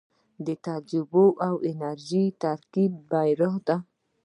د تجربې او انرژۍ ترکیب بریالی دی